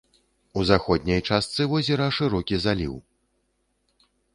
У заходняй часты возера шырокі заліў.